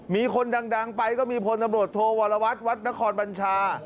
มีคนดังไปก็มีพลตบริจาคต่อศักดิ์โทวรวัลวัฒน์วัฒนครบัญชา